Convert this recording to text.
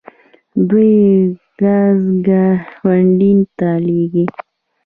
دوی ګاز ګاونډیو ته لیږي.